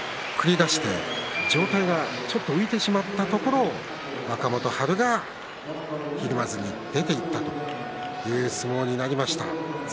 そして上体がちょっと浮いてしまったところを若元春がひるまずに出ていったという相撲でした。